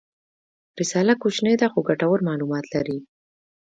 رساله کوچنۍ ده خو ګټور معلومات لري.